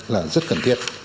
là rất cần thiệt